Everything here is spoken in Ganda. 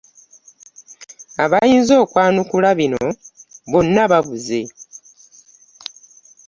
Abayinza okwanukula bino bonna babuze.